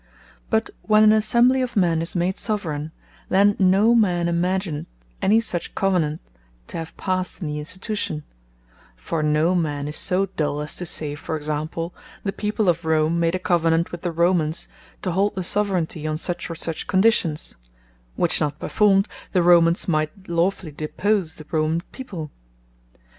But when an Assembly of men is made Soveraigne; then no man imagineth any such Covenant to have past in the Institution; for no man is so dull as to say, for example, the People of Rome, made a Covenant with the Romans, to hold the Soveraignty on such or such conditions; which not performed, the Romans might lawfully depose the Roman People.